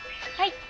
はい。